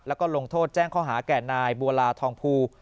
แล้วก็ลงโทษแจ้งข้อหาแก่นายบัวลาทองภู